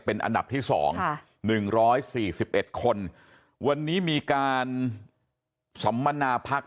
เป็นอันดับที่สองค่ะหนึ่งร้อยสี่สิบเอ็ดคนวันนี้มีการสำมารณาพัก